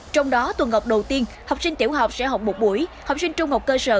trong đó tuần học đầu tiên học sinh tiểu học sẽ học một buổi học sinh trung học cơ sở